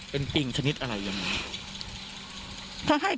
เป็นปิงชนิดอะไรยังไง